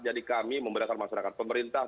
jadi kami memberdasarkan masyarakat pemerintah